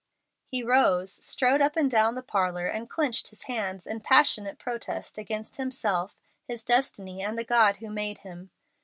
He rose, strode up and down the parlor, and clenched his hands in passionate protest against himself, his destiny, and the God who made him.